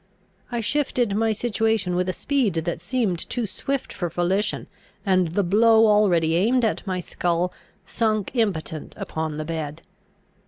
I shifted my situation with a speed that seemed too swift for volition, and the blow already aimed at my skull sunk impotent upon the bed.